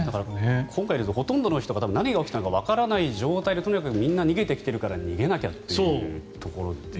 今回でいうとほとんどの人が何が起きたかわからない状態でとにかくみんな逃げてきているから逃げなきゃというところで。